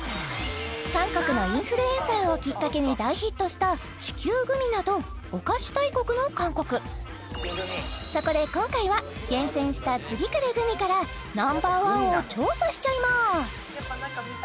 韓国のインフルエンサーをきっかけに大ヒットした地球グミなどお菓子大国の韓国そこで今回は厳選した次くるグミからＮｏ．１を調査しちゃいます